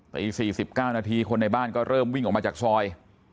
ตี๔๙นาทีคนในบ้านก็เริ่มวิ่งออกมาจากซอย